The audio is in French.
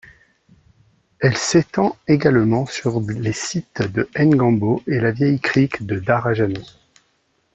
Elle s'étend également sur les sites de Ng'ambo et la vieille crique de Darajani.